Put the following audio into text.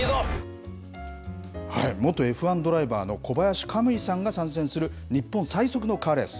元Ｆ１ドライバーの小林可夢偉さんが参戦する日本最速のカーレース。